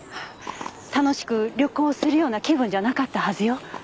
楽しく旅行するような気分じゃなかったはずよ。